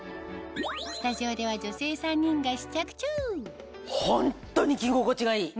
スタジオでは女性３人が試着中ホントに着心地がいい。